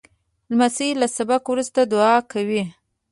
لمسی له سبق وروسته دعا کوي.